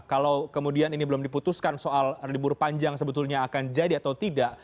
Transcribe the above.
kalau kemudian ini belum diputuskan soal libur panjang sebetulnya akan jadi atau tidak